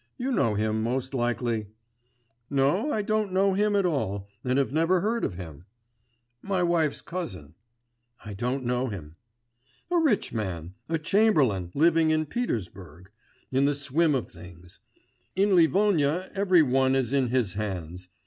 you know him most likely.' 'No, I don't know him at all, and have never heard of him.' 'My wife's cousin.' 'I don't know him.' 'A rich man, a chamberlain, living in Petersburg, in the swim of things; in Livonia every one is in his hands.